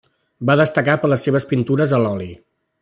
Va destacar per les seves pintures a l'oli.